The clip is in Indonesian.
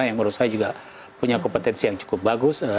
yang menurut saya juga punya kompetensi yang cukup bagus